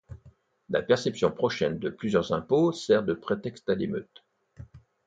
La perception prochaine de plusieurs impôts sert de prétexte à l'émeute.